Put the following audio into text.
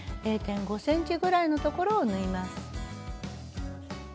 ０．５ｃｍぐらいの所を縫います。